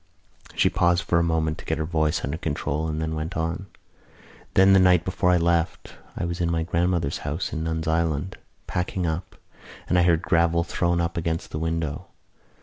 She paused for a moment to get her voice under control and then went on: "Then the night before I left I was in my grandmother's house in Nuns' Island, packing up, and I heard gravel thrown up against the window.